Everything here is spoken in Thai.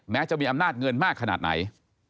จะมีอำนาจเงินมากขนาดไหน